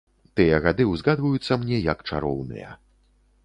Тыя гады ўзгадваюцца мне як чароўныя.